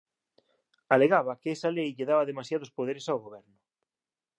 Alegaba que esa lei lle daba demasiados poderes ao goberno